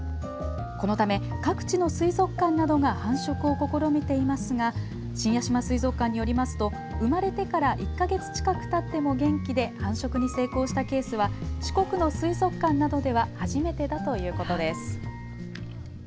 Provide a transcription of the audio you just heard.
このため各地の水族館などが繁殖を試みていますが新屋島水族館によりますと生まれてから１か月近くたっても元気で繁殖に成功したケースは四国の水族館などでは初めてだということです。